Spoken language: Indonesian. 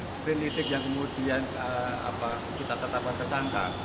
sprenidik yang kemudian kita tetap tersangka